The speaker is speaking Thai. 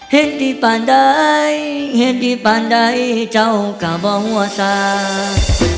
เห็นที่ป่านได้เห็นที่ป่านได้เจ้าก็บอกว่าสาว